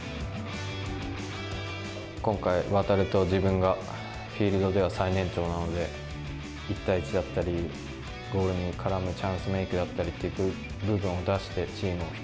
今回、航と自分がフィールドでは最年長なので、１対１だったり、ゴールに絡むチャンスメークだったり、部分を出して、チームを引